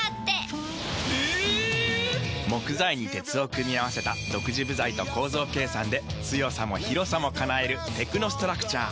木材に鉄を組み合わせた独自部材と構造計算で強さも広さも叶えるテクノストラクチャー。